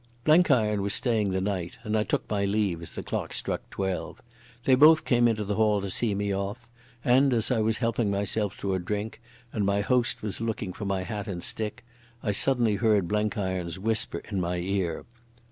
Blenkiron was staying the night, and I took my leave as the clock struck twelve. They both came into the hall to see me off, and, as I was helping myself to a drink, and my host was looking for my hat and stick, I suddenly heard Blenkiron's whisper in my ear.